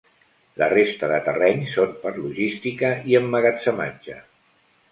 La resta de terrenys són per logística i emmagatzematge.